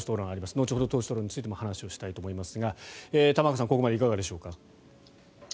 後ほど党首討論についても話をしたいと思いますが玉川さん、ここまでいかがでしょうか。